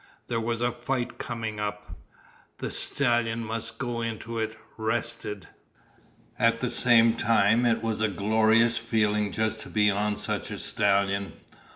There was a fight coming up. The stallion must go into it rested. At the same time, it was a glorious feeling just to be on such a stallion.